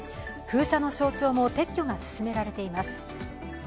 封鎖の象徴も撤去が進められています。